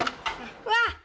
うわっ！